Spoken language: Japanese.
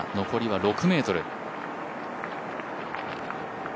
残りは６ｍ。